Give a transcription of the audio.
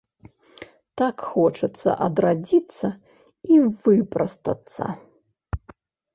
Так хочацца адрадзіцца і выпрастацца.